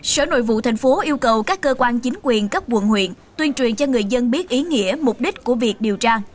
sở nội vụ tp hcm yêu cầu các cơ quan chính quyền cấp quận huyện tuyên truyền cho người dân biết ý nghĩa mục đích của việc điều tra